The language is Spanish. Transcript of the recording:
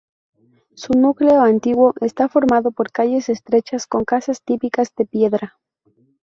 Su núcleo antiguo está formado por calles estrechas con casas típicas de piedra.